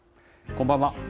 こんばんは。